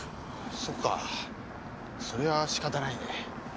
そっかそれはしかたないね。